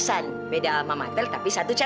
lalu alufole rasanya